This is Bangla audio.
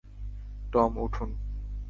টম, উঠুন!